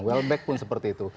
welbeck pun seperti itu